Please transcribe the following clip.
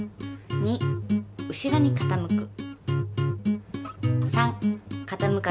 ２後ろに傾く。